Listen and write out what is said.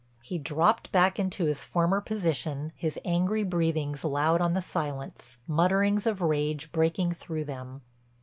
He dropped back into his former position, his angry breathings loud on the silence, mutterings of rage breaking through them.